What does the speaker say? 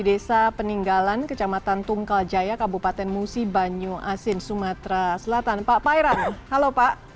desa peninggalan kecamatan tunggal jaya kabupaten musi banyuasin sumatera selatan pak pairan halo pak